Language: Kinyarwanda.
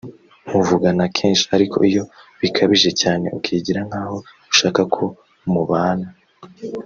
muvugana kenshi ariko iyo bikabije cyane ukigira nk’aho ushaka ko mubana